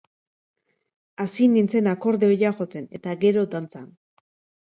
Hasi nintzen akordeoia jotzen eta gero dantzan.